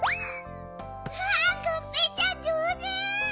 わあがんぺーちゃんじょうず！